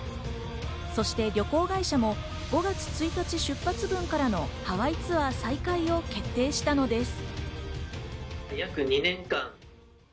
そして旅行会社も５月１日出発分からのハワイツアー再開を決定したのです。